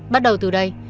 bắt đầu từ đây